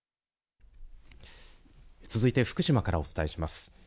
続いて福島からお伝えします。